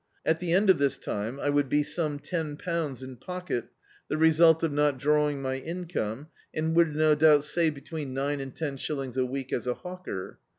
At the end of this time I would be swne ten pounds in pocket, the result of not drawing my income, and would, no doubt, save between nine and ten shillings a week as a hawker.